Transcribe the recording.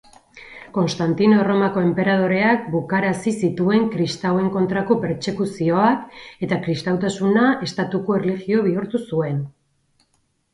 Konstantino Erromako enperadoreak bukarazi zituen kristauen kontrako pertsekuzioak eta kristautasuna estatuko erlijio bihurtu zuen.